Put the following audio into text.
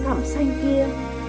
cầm xanh kia